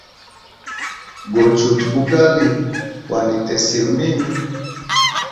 Gochuta bugali bwa nitesile mimi.